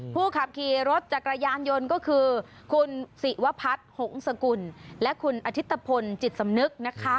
ผู้ขับขี่รถจักรยานยนต์ก็คือคุณศิวพัฒน์หงษกุลและคุณอธิตภพลจิตสำนึกนะคะ